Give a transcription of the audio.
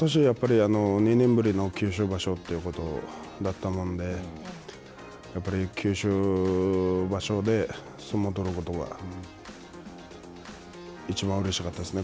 ことしは、やっぱり２年ぶりの九州場所ということだったもんでやっぱり九州場所で相撲を取ることがいちばんうれしかったですね